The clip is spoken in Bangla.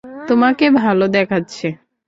তোমাকে ভালো দেখাচ্ছে।